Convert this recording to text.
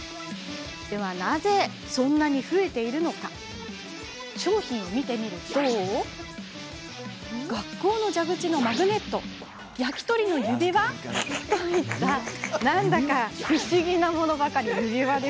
なぜ、そんなに増えているのか商品を見てみると学校の蛇口のマグネット焼き鳥の指輪といったなんだか不思議なものばかり。